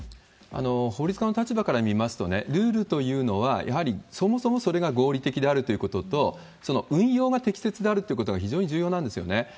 法律家の立場から見ますと、ルールというのは、やはりそもそもそれが合理的であるということと、その運用が適切であるということが非常に重要なんですよね。